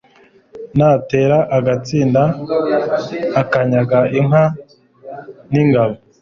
Natera agatsinda akanyaga inka n'ingabo